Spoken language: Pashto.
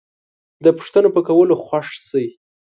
د پوښتنو په کولو خوښ شئ